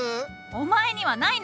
お前にはないのか？